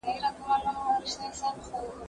زه مخکي ونې ته اوبه ورکړې وې؟!